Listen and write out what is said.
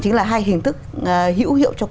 chính là hai hình thức hữu hiệu cho